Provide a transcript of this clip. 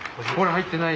入ってない。